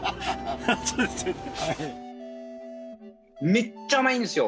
めっちゃ甘いんですよ